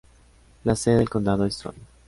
La sede del condado es Troy.